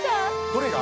どれが！？